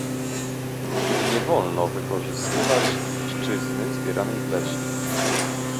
Nie wolno wykorzystywać dziczyzny zbieranej w lesie